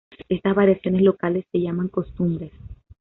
Estas variaciones locales se llaman costumbres...